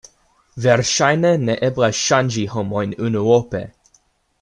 Verŝajne ne eblas ŝanĝi homojn unuope.